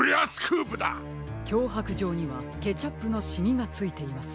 きょうはくじょうにはケチャップのシミがついています。